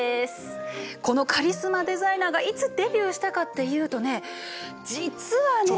このカリスマデザイナーがいつデビューしたかっていうとね実はね。